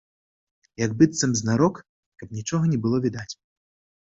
Як быццам знарок, каб нічога не было відаць.